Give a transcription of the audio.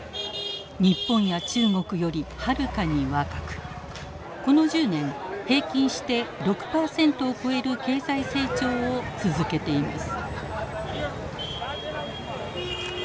日本や中国よりはるかに若くこの１０年平均して６％を超える経済成長を続けています。